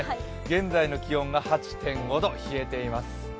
現在の気温馬８．５度冷えています。